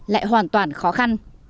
lại hoàn toàn khó khăn